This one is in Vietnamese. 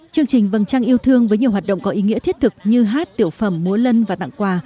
chương trình vâng trang yêu thương với nhiều hoạt động có ý nghĩa thiết thực như hát tiểu phẩm múa lân và tặng quà